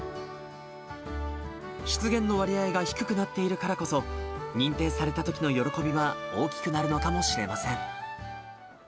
出現の割合が低くなっているからこそ、認定されたときの喜びは大きくなるのかもしれません。